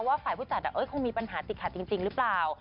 ฝ่ายผู้จัดคงมีปัญหาติดขัดจริงหรือเปล่า